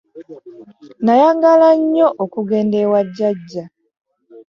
Nayagalanga nnyo okugenda ewa jjajja.